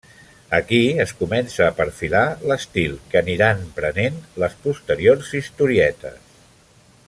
Aquí es comença a perfilar l'estil que aniran prenent les posteriors historietes.